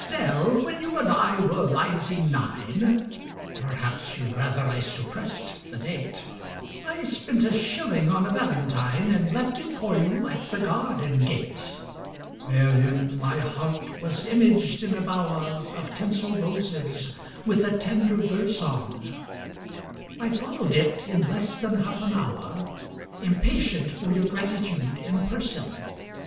] ESTELLE, when you and I were rising nine Perhaps you'd rather I suppressed the date I spent a shilling on a valentine And left it for you at the garden gate. Therein my heart was imaged in a bower Of tinsel roses, with a tender verse on ; I followed it in less than half an hour Impatient for your gratitude in person.